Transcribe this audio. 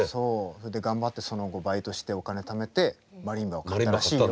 それで頑張ってその後バイトしてお金ためてマリンバを買ったらしいよ。